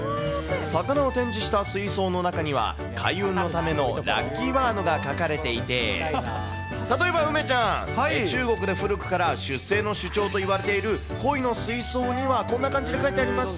魚を展示した水槽の中には、開運のためのラッキーワードが書かれていて、例えば梅ちゃん、中国で古くから出世の象徴といわれているコイの水槽には、こんな感じで書いてあります。